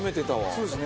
そうですね。